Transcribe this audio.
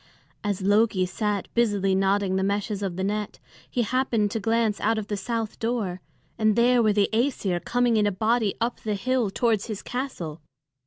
As Loki sat busily knotting the meshes of the net, he happened to glance out of the south door, and there were the Æsir coming in a body up the hill towards his castle.